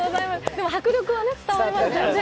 でも、迫力は伝わりましたよね。